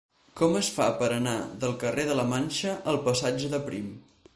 Com es fa per anar del carrer de la Manxa al passatge de Prim?